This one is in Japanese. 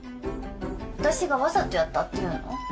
私がわざとやったっていうの？